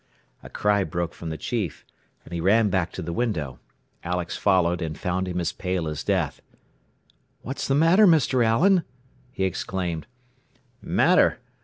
A cry broke from the chief, and he ran back to the window. Alex followed, and found him as pale as death. "What's the matter, Mr. Allen?" he exclaimed. "Matter!